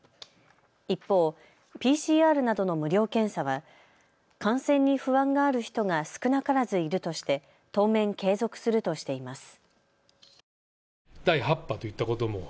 一方、ＰＣＲなどの無料検査は感染に不安がある人が少なからずいるとして当面、継続するとしています。